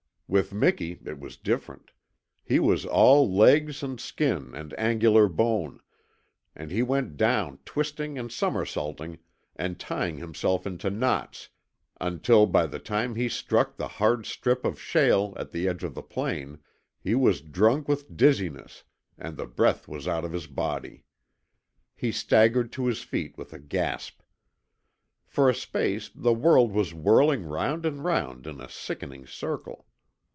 With Miki it was different. He was all legs and skin and angular bone, and he went down twisting and somersaulting and tying himself into knots until by the time he struck the hard strip of shale at the edge of the plain he was drunk with dizziness and the breath was out of his body. He staggered to his feet with a gasp. For a space the world was whirling round and round in a sickening circle.